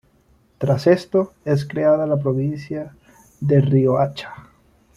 Tras esto, es creada la provincia de Riohacha.